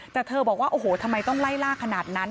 แต่เธอบอกว่าโอ้โหทำไมต้องไล่ล่าขนาดนั้น